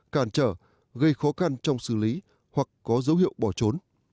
càn trở gây khó khăn trong xử lý hoặc có dấu hiệu bỏ trốn